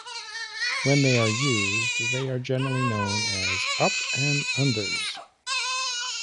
When they are used they are generally known as "up and unders".